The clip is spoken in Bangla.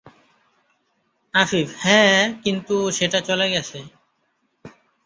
আফিফ: হ্যাঁ, কিন্তু সেটা চলে গেছে।